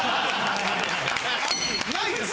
ないです。